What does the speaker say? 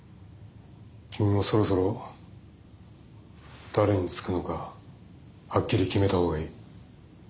君もそろそろ誰につくのかはっきり決めた方がいい。